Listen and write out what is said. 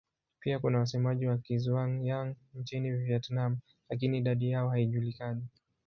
Pia kuna wasemaji wa Kizhuang-Yang nchini Vietnam lakini idadi yao haijulikani.